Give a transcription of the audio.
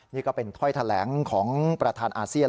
นี่ก็เป็นถ้อยแถลงของประธานอาเซียน